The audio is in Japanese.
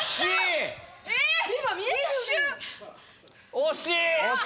惜しい！